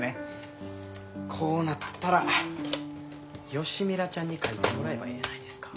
こうなったら吉ミラちゃんに書いてもらえばええやないですか。